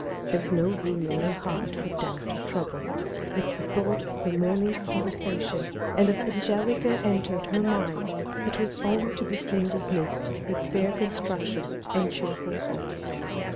There was no room in her heart for doubt or trouble. If the thought of the morning's conversation and of Angelica entered her mind, it was only to be soon dismissed with fair construction and cheerful hope.